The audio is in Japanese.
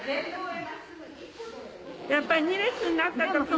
やっぱり２列になった時に。